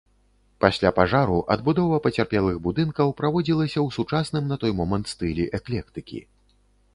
Пасля пажару адбудова пацярпелых будынкаў праводзілася ў сучасным на той момант стылі эклектыкі.